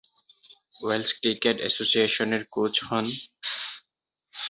Wales cricket অ্যাসোসিয়েশনের coach হন।